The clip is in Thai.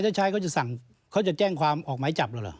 ถ้าใช้เขาจะแจ้งความออกไม้จับหรือ